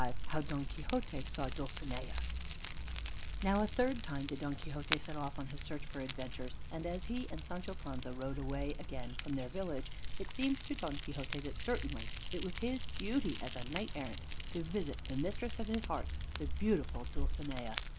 V HOW DON QUIXOTE SAW DULCINEA Now a third time did Don Quixote set off on his search for adventures, and as he and Sancho Panza rode again away from their village, it seemed to Don Quixote that certainly it was his duty as a knight errant to visit the Mistress of his Heart, the beautiful Dulcinea.